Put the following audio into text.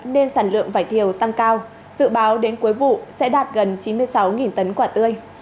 nên sản lượng vải thiều tăng cao dự báo đến cuối vụ sẽ đạt gần chín mươi sáu tấn quả tươi